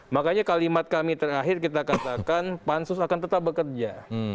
makanya kalimat kami terakhir kita katakan pansus akan tetap bekerja